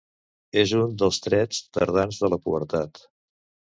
És un dels trets tardans de la pubertat.